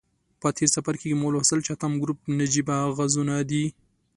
په تیر څپرکي کې مو ولوستل چې اتم ګروپ نجیبه غازونه دي.